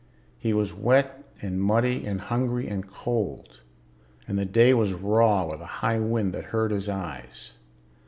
He was wet and muddy and hungry and cold, and the day was raw with a high wind that hurt his eyes.